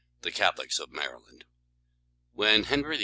THE CATHOLICS IN MARYLAND. When Henry VIII.